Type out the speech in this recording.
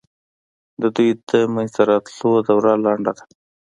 د دوی د منځته راتلو دوره لنډه ده.